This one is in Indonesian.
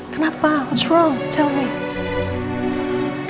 kenapa apa yang salah beritahu aku